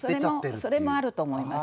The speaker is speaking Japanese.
それもあると思います。